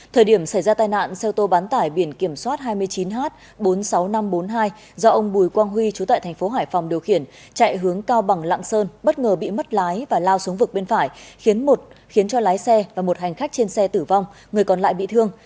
thời điểm xảy ra tai nạn xe ô tô bán tải biển kiểm soát hai mươi chín h bốn mươi sáu nghìn năm trăm bốn mươi hai do ông bùi quang huy chú tại thành phố hải phòng điều khiển chạy hướng cao bằng lạng sơn bất ngờ bị mất lái và lao xuống vực bên phải khiến một khiến cho lái xe và một hành khách trên xe tử vong người còn lại bị thương